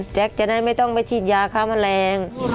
จะได้ไม่ต้องไปฉีดยาฆ่าแมลง